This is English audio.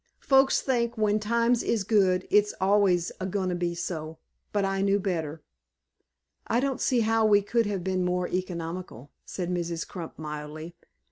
Folks think when times is good it's always a goin' to be so, but I knew better." "I don't see how we could have been more economical," said Mrs. Crump, mildly.